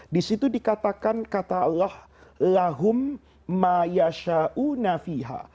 disitu dikatakan kata allah